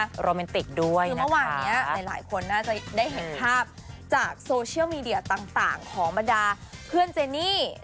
คือเมื่อวานนี้หลายคนน่าจะได้เห็นภาพจากโซเชียลมีเดียต่างของบรรดาเพื่อนเจนี่